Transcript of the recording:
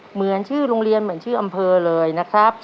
เหมือนชื่อโรงเรียนเหมือนชื่ออำเภอเลยนะครับ